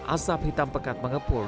asap hitam pekat mengepul